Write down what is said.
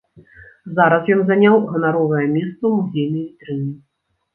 Зараз ён заняў ганаровае месца ў музейнай вітрыне.